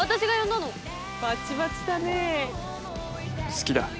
「好きだ」